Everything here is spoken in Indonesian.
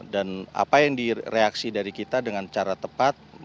dan apa yang direaksi dari kita dengan cara tepat